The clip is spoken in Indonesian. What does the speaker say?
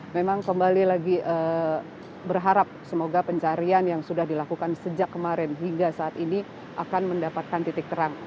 memang kembali lagi berharap semoga pencarian yang sudah dilakukan sejak kemarin hingga saat ini akan mendapatkan titik terang